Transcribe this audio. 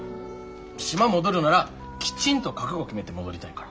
島戻るならきちんと覚悟決めて戻りたいから。